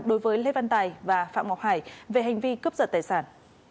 đối với lê văn tài và phạm ngọc hải về hành vi cướp giật tài sản